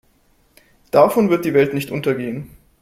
Davon wird die Welt nicht untergehen.